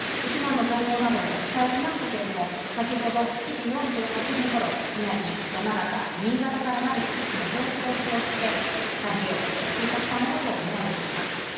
避難の情報などもお伝えしましたけれども、先ほど７時４８分頃、宮城、山形、新潟からなる地域の上空を飛翔して、太平洋へ通過したものとみられています。